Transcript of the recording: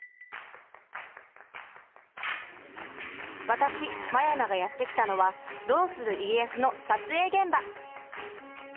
私真山がやって来たのは「どうする家康」の撮影現場！